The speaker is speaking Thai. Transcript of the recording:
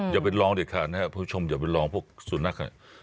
อย่าไปลองหนิคะวันนี้พี่คุณผู้ชมอย่าไปลองพวกสุดนัก